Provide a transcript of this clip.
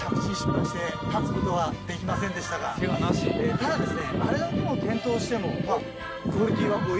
ただですね。